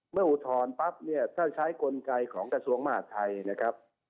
เมื่ออุทธรณ์ปั๊บถ้าใช้กลไกของกระทรวงมาหาทัยนะครับ